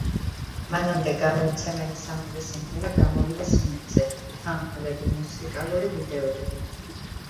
მანამდე გამოუცემელი სამივე სიმღერა გამოვიდა სინგლზე, თანმხლები მუსიკალური ვიდეოებით.